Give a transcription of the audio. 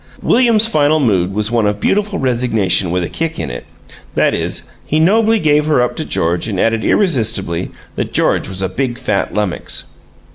William's final mood was one of beautiful resignation with a kick in it; that is, he nobly gave her up to George and added irresistibly that George was a big, fat lummox!